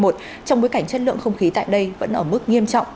trong bối cảnh chất lượng không khí tại đây vẫn ở mức nghiêm trọng